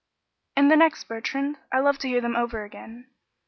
"And the next, Bertrand. I love to hear them over again."